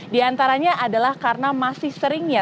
di antaranya adalah karena masih seringnya